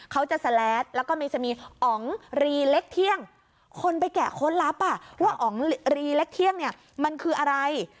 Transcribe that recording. เขาจะแสลดแล้วก็มีจะมีอ๋องรีเล็กเที่ยงคนไปแกะค้นลับอ่ะว่าอ๋องรีเล็กเที่ยงเนี่ยมันคืออะไร